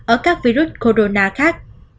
ở các virus corona khác